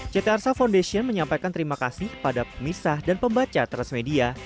ct arsa foundation menyampaikan terima kasih pada pemisah dan pembaca transmedia